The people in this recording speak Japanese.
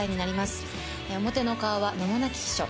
表の顔は名もなき秘書。